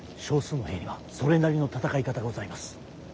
少数の兵にはそれなりの戦い方がございます。